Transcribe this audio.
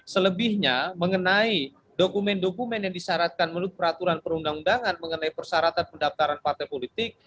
selebihnya mengenai dokumen dokumen yang disyaratkan menurut peraturan perundang undangan mengenai persyaratan pendaftaran partai politik